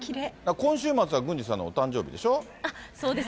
今週末は郡司さんのお誕生日でしそうです。